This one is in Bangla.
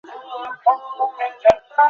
আপনারা আমাকে কোন থানায় নিয়ে যাচ্ছেন?